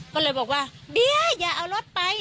ก็เลยบอกว่าเดี๋ยวอย่าเอารถไป